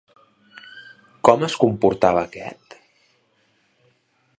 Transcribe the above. Com es comportava aquest?